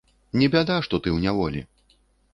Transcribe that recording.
Не бяда, што ты ў няволі.